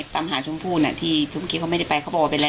ตามหาชมพู่น่ะที่ชมพีเขาไม่ได้ไปเขาบอกว่าเป็นอะไร